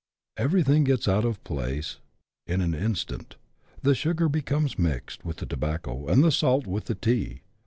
Everything gets out of place in an instant ; the sugar becomes mixed with the tobacco, and the salt with the tea.